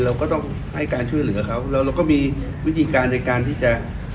เราก็ต้องให้การช่วยเหลือเขาแล้วเราก็มีวิธีการในการที่จะ